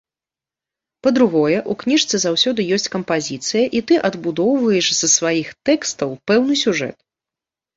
Па-другое, у кніжцы заўсёды ёсць кампазіцыя, і ты адбудоўваеш з сваіх тэкстаў пэўны сюжэт.